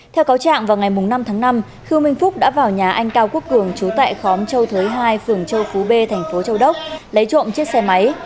theo cáo trạng vào ngày năm tháng năm khư minh phúc đã vào nhà anh cao quốc cường trú tại khóm châu thới hai phường châu phú b thành phố châu đốc lấy trộm chiếc xe máy